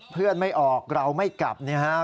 เพื่อนไม่ออกเราไม่กลับ